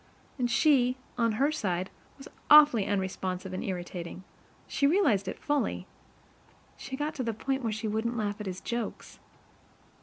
And she, on her side, was awfully unresponsive and irritating, she realized it fully, she got to the point where she wouldn't laugh at his jokes.